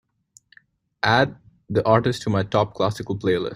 Add the artist to my top classical playlist.